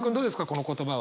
この言葉は。